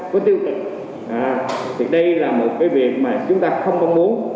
có tiêu cực thì đây là một cái việc mà chúng ta không không muốn